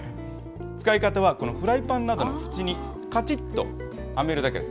使い方は、このフライパンなどの縁にかちっとはめるだけです。